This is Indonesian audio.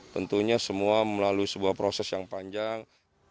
tentunya semua melalui sebuah proses yang panjang